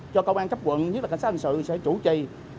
cho công an cấp quận nhất là cảnh sát hình sự sẽ chủ trì